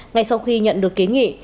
ngay sau khi nhận được kiến nghị